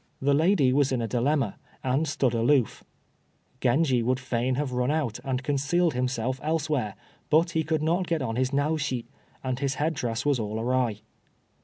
The lady was in a dilemma, and stood aloof. Genji would fain have run out, and concealed himself elsewhere, but he could not get on his Naoshi, and his head dress was all awry.